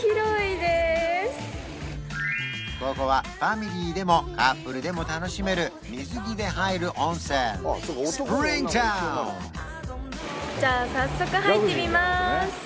ここはファミリーでもカップルでも楽しめる水着で入る温泉スプリングタウンじゃあ